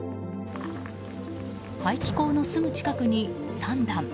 排気口のすぐ近くに３段。